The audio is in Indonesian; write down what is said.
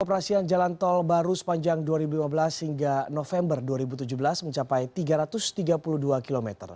operasian jalan tol baru sepanjang dua ribu lima belas hingga november dua ribu tujuh belas mencapai tiga ratus tiga puluh dua km